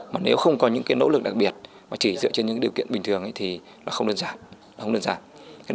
mà nếu không có những nỗ lực đặc biệt và chỉ dựa trên những điều kiện bình thường thì không đơn giản